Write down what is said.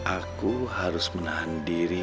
aku harus menahan diri